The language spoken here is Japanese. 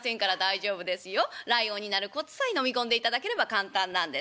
ライオンになるコツさえのみ込んでいただければ簡単なんです。